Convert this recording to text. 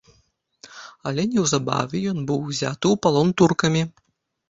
Але неўзабаве ён быў узяты ў палон туркамі.